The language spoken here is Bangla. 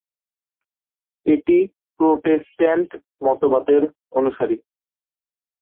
এটি প্রোটেস্ট্যান্ট মতবাদের অনুসারী।